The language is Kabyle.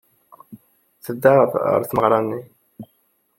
Tedda ɣer tmeɣra-nni.